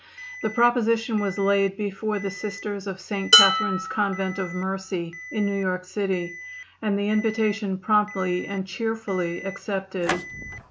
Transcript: The proposition was laid before the Sisters of St. Catherine's Convent of Mercy, in New York City, and the invitation promptly and cheerfully accepted.